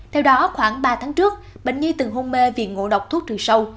theo đó khoảng ba tháng trước bệnh nhi từng hôn mê vì ngộ độc thuốc trừ sâu